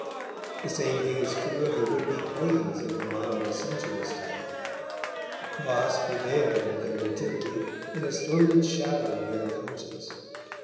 The same thing is true of the would be Pagans of a milder sensuous type. The Cross prevailed at their nativity, and has thrown its shadow over their conscience.